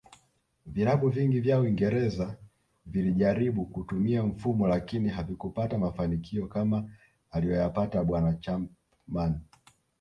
Vilabu vingi vya uingereza vilijaribu kutumia mfumo lakini havikupata mafanikio kama aliyoyapata bwana Chapman